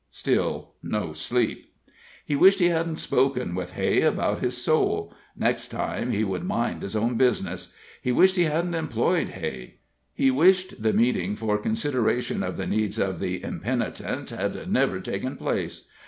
Still no sleep. He wished he hadn't spoken with Hay about his soul next time he would mind his own business. He wished he hadn't employed Hay. He wished the meeting for consideration of the needs of the impenitent had never taken place.